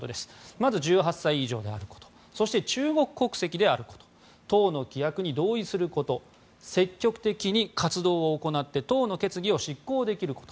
まず１８歳以上であることそして、中国国籍であること党の規約に同意すること積極的に活動を行って党の決議を執行できること。